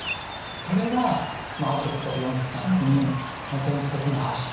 それがまあある時そうやって４０歳の時にぜんそくの発症。